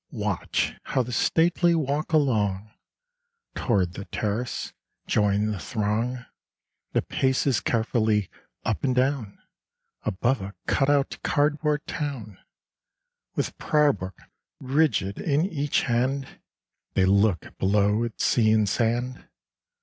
Watch how the stately walk along Toward the terrace, join the throng, That paces carefully up and down Above a cut out cardboard town ! With prayer book rigid in each hand, They look below at sea and sand.